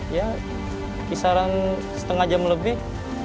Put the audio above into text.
ya kisaran setengah jam lebih